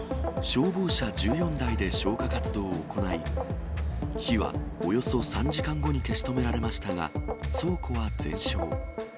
消防車１４台で消火活動を行い、火はおよそ３時間後に消し止められましたが、倉庫は全焼。